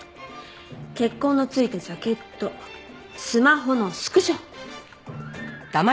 血痕の付いたジャケットスマホのスクショ。